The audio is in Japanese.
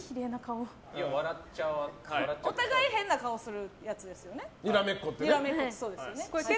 お互い変な顔するやつですよね？